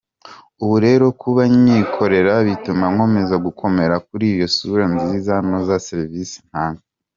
Ubu rero kuba nyikorere bituma nkomeza gukomera kuri iyo sura nziza noza serivisi ntanga.